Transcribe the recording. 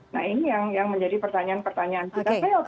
nah ini yang menjadi pertanyaan pertanyaan